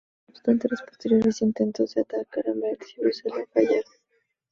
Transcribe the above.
No obstante, los posteriores intentos de atacar Amberes y Bruselas fallaron.